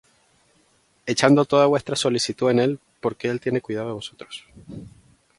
Echando toda vuestra solicitud en él, porque él tiene cuidado de vosotros.